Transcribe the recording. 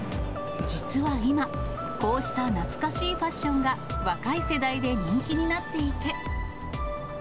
実は今、こうした懐かしいファッションが若い世代に人気になっていて。